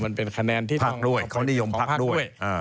มันเป็นคะแนนที่ต้องของภาคด้วย